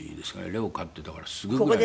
レオ飼ってだからすぐぐらい。